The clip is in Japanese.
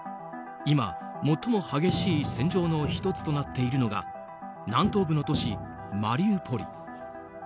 今、最も激しい戦場の１つとなっているのが南東部の都市マリウポリ。